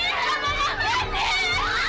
jangan jangan jangan